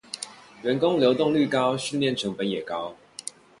員工流動率高，訓練成本也高